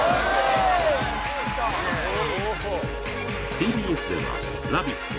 ＴＢＳでは「ラヴィット！」